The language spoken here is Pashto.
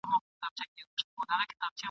هم له خپلو هم پردیو را جلا وه !.